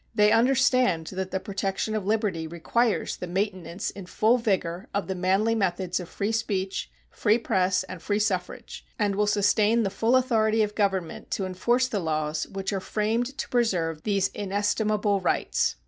They understand that the protection of liberty requires the maintenance in full vigor of the manly methods of free speech, free press, and free suffrage, and will sustain the full authority of Government to enforce the laws which are framed to preserve these inestimable rights.